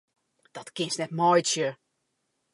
Dat kinst net meitsje!